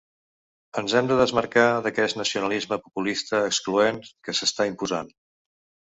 Ens hem de desmarcar d’aquest nacionalisme populista excloent que s’està imposant.